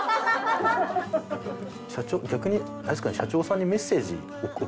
社長逆にあれですかね社長さんにメッセージ送ります？